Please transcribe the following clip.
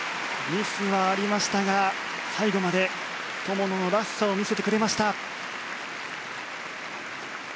ミスはありましたが最後まで友野らしさを見せてくれました。